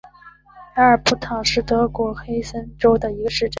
埃尔布塔尔是德国黑森州的一个市镇。